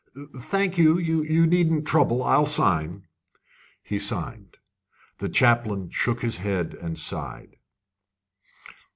"Thank you, you needn't trouble. I'll sign." He signed. The chaplain shook his head and sighed.